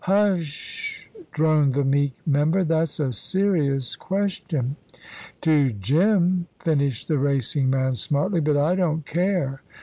"Hu s s sh!" droned the meek member; "that's a serious question." "To Jim!" finished the racing man, smartly; "but I don't care.